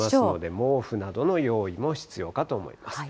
毛布などの用意も必要かと思います。